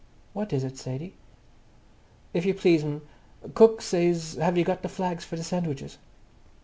"What is it, Sadie?" "If you please, m'm, cook says have you got the flags for the sandwiches?"